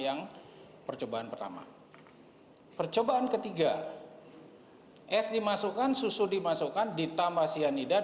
yang percobaan pertama percobaan ketiga es dimasukkan susu dimasukkan ditambah cyanida